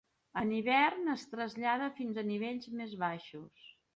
En hivern es trasllada fins nivells més baixos.